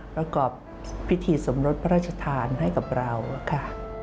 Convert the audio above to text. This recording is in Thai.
ประกอบพิธีสมรสพระราชทานให้กับเราค่ะ